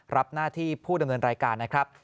รับหน้าที่ผู้ดำเนินรายการนะครับ